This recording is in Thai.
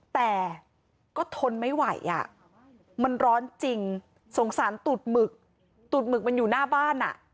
แต่ก็ทนไม่ไหวอ่ะมันร้อนจริงสงสารตูดหมึกตูดหมึกมันอยู่หน้าบ้านอ่ะ